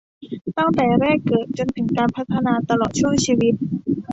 ตั้งแต่แรกเกิดจนถึงการพัฒนาตลอดช่วงชีวิต